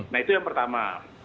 nah itu yang pertama